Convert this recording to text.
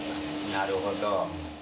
なるほど。